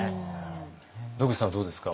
野口さんはどうですか？